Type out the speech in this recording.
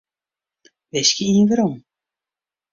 Wiskje ien werom.